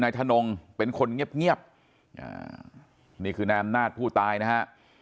ทนงเป็นคนเงียบนี่คือนายอำนาจผู้ตายนะฮะ